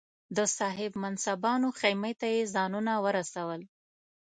د صاحب منصبانو خېمې ته یې ځانونه ورسول.